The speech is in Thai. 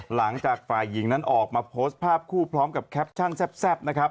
หลังจากฝ่ายหญิงนั้นออกมาโพสต์ภาพคู่พร้อมกับแคปชั่นแซ่บนะครับ